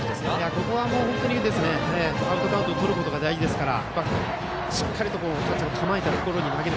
ここは本当にアウトカウントをとることが大事ですからしっかりとキャッチャーが構えたところに投げる。